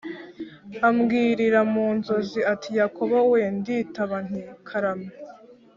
ambwirira mu nzozi ati Yakobo we Nditaba nti karame